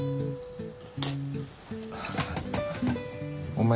お前